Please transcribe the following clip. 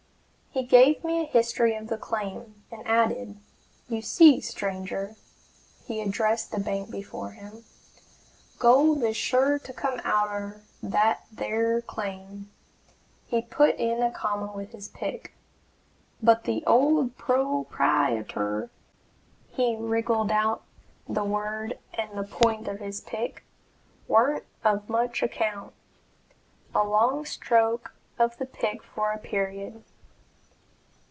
He gave me a history of the claim, and added: "You see, stranger," (he addressed the bank before him) "gold is sure to come out'er that theer claim, (he put in a comma with his pick) but the old pro pri e tor (he wriggled out the word and the point of his pick) warn't of much account (a long stroke of the pick for a period).